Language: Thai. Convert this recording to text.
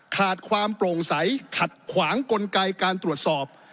ขาดความโปร่งใสขัดขวางกลไกการตรวจสอบ